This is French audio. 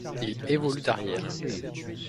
Il évolue d'arrière.